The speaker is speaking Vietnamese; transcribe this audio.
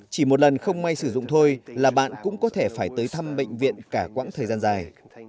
chỉ một lần không may sử dụng thôi là bạn cũng có thể phải tới thăm bệnh viện cả quãng thời gian dài